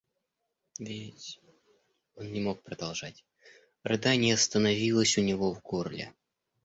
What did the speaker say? Ведь...— он не мог продолжать, рыдание остановилось у него в горле.